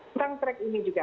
tentang track ini juga